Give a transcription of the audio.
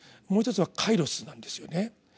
もう一つは「カイロス」なんですよね。